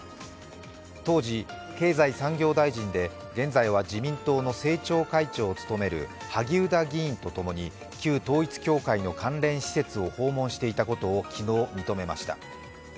当時、経済産業大臣で現在は自民党の政調会長を務める萩生田議員とともに旧統一教会の関連施設を訪問していたことを昨日、認めました。